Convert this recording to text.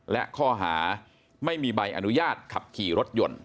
และข้อหาไม่มีใบอนุญาตขับขี่รถยนต์